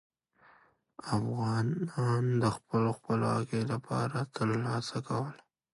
افغانان د خپلواکۍ لپاره تل هڅه کوله.